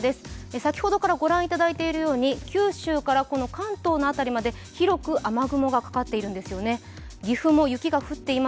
先ほどからご覧いただいているように九州から関東の辺りまで広く雨雲がかかっているんですよね。